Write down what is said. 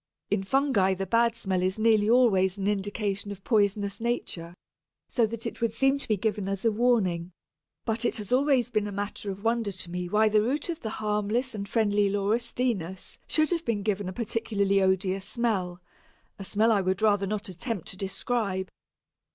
In Fungi the bad smell is nearly always an indication of poisonous nature, so that it would seem to be given as a warning. But it has always been a matter of wonder to me why the root of the harmless and friendly Laurustinus should have been given a particularly odious smell a smell I would rather not attempt to describe.